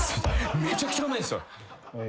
めちゃくちゃうまいんすよ。